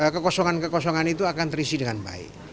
kekosongan kekosongan itu akan terisi dengan baik